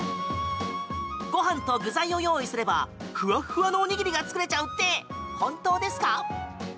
ご飯と具材を用意すればふわふわのおにぎりが作れちゃうって、本当ですか！？